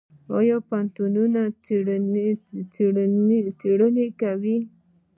آیا پوهنتونونه څیړنې کوي؟